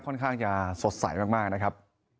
ค่อนข้างจะสดใสมากนะครับ